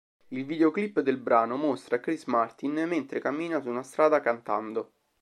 Il videoclip del brano mostra Chris Martin mentre cammina su una strada cantando.